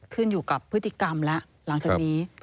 ขึ้นอยู่กับพฤติกรรมแล้วหลังจากนี้